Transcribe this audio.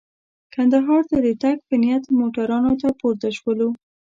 کندهار ته د تګ په نیت موټرانو ته پورته شولو.